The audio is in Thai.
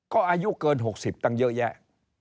ก็อายุเกิน๖๐ตั้งเยอะแยะ